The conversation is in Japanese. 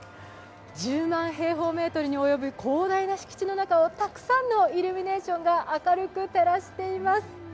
１０万平方メートルに及ぶ広大な敷地の中をたくさんのイルミネーションが明るく照らしています。